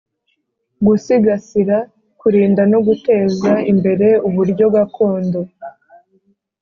Gusigasira kurinda no guteza imbere uburyo gakondo